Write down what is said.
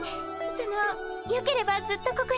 そのよければずっとここに。